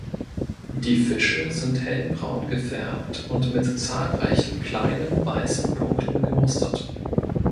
Die Fische sind hellbraun gefärbt und mit zahlreichen kleinen weißen Punkten gemustert.